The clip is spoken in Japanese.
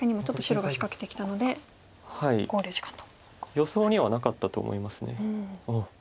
予想にはなかったと思います。